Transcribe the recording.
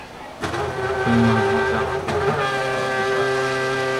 তুমি মাঝে মাঝে আমাকে এত রাগিয়ে দাও, দেবরাজ।